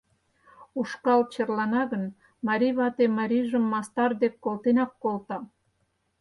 Ушкал черлана гын, марий вате марийжым мастар дек колтенак колта.